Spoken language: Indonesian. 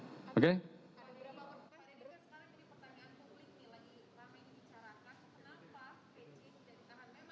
lama ini bicarakan kenapa pc